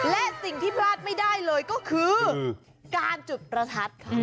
และสิ่งที่พลาดไม่ได้เลยก็คือการจุดประทัดค่ะ